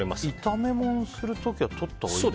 炒め物する時は取ったほうがいいんだ。